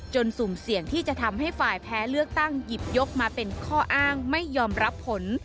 สุ่มเสี่ยงที่จะทำให้ฝ่ายแพ้เลือกตั้งหยิบยกมาเป็นข้ออ้างไม่ยอมรับผล